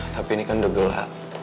tapi ini kan udah gelap